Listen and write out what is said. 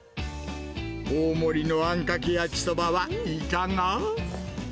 大盛りのあんかけ焼きそばはいかが？